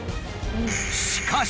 しかし。